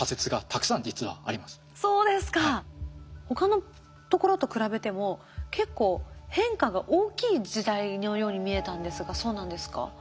他のところと比べても結構変化が大きい時代のように見えたんですがそうなんですか？